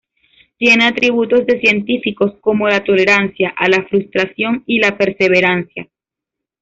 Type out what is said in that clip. Tiene atributos de científicos como la tolerancia a la frustración y la perseverancia.